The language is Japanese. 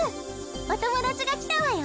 お友達が来たわよ。